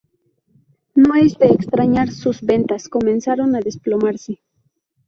No es de extrañar, sus ventas comenzaron a desplomarse.